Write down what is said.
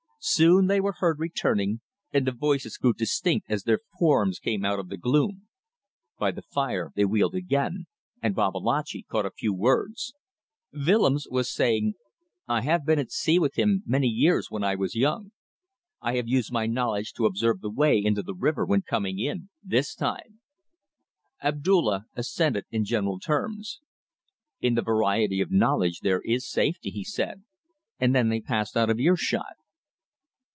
Soon they were heard returning, and the voices grew distinct as their forms came out of the gloom. By the fire they wheeled again, and Babalatchi caught a few words. Willems was saying "I have been at sea with him many years when young. I have used my knowledge to observe the way into the river when coming in, this time." Abdulla assented in general terms. "In the variety of knowledge there is safety," he said; and then they passed out of earshot.